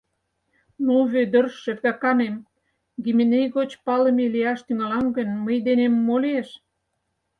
Ну, Вӧдыр, шергаканем, «Гименей» гоч палыме лияш тӱҥалам гын, мый денем мо лиеш?